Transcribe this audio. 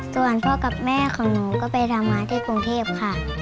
ส่วนพ่อกับแม่ของหนูก็ไปทำงานที่กรุงเทพค่ะ